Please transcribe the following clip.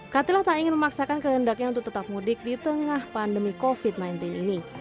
katila tak ingin memaksakan kehendaknya untuk tetap mudik di tengah pandemi covid sembilan belas ini